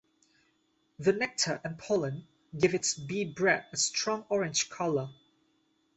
The nectar and pollen give its bee bread a strong orange color.